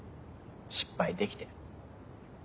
失敗できて。